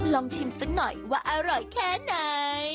ลองชิมสักหน่อยว่าอร่อยแค่ไหน